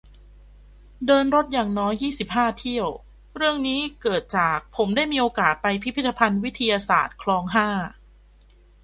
เดินรถอย่างน้อย ยี่สิบห้า เที่ยว เรื่องนี้เกิดจากผมได้มีโอกาสไปพิพิธภัณฑ์ วิทยาศาสตร์ คลอง ห้า